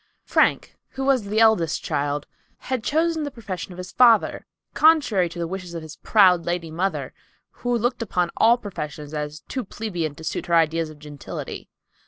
Frank, who was the eldest child, had chosen the profession of his father, contrary to the wishes of his proud lady mother, who looked upon all professions as too plebeian to suit her ideas of gentility.